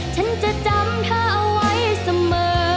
ฉันจะจำเธอไว้เสมอ